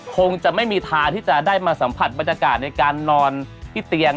คงจะไม่มีทางที่จะได้มาสัมผัสบรรยากาศในการนอนที่เตียง